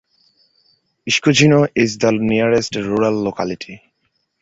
Ishkuzhino is the nearest rural locality.